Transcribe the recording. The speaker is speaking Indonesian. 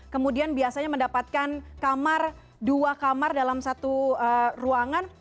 kemudian biasanya mendapatkan kamar dua kamar dalam satu ruangan